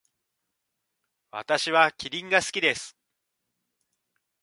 私はキリンが好きです。